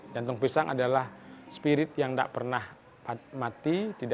jantung pisang adalah spirit yang tidak pernah mati